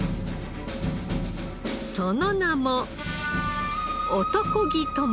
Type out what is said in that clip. その名も。